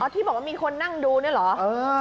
ที่บอกว่ามีคนนั่งดูเนี่ยเหรอ